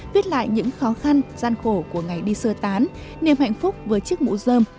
viết lại những khó khăn gian khổ của ngày đi sơ tán niềm hạnh phúc với chiếc mũ dơm